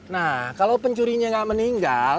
nah kalau pencurinya nggak meninggal